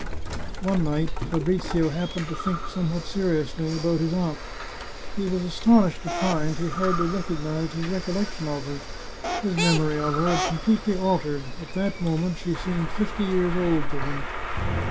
One night Fabrizio happened to think somewhat seri ously about his aunt. He was astonished to find he hardly recognised his recollection of her. His memory of her had completely altered; at that moment she seemed fifty years old to him.